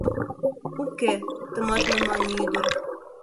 — Уке, — тыматлын мане ӱдыр.